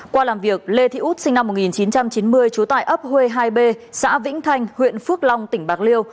qua làm việc lê thị út sinh năm một nghìn chín trăm chín mươi trú tại ấp huê hai b xã vĩnh thanh huyện phước long tỉnh bạc liêu